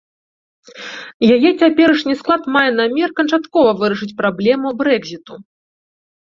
Яе цяперашні склад мае намер канчаткова вырашыць праблему брэкзіту.